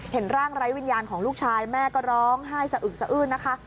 เห็นร่างไร้วิญญาณของลูกชายแม่ก็ร้องไห้สะอึกสะอื้นนะคะ